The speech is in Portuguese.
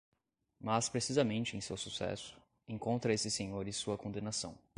Mas precisamente em seu sucesso, encontra esses senhores sua condenação.